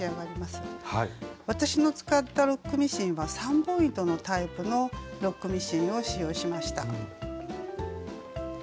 私の使ったロックミシンは３本糸のタイプのロックミシンを使用しました。